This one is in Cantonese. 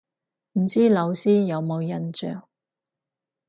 唔知老師有冇印象